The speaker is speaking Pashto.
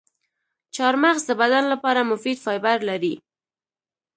چارمغز د بدن لپاره مفید فایبر لري.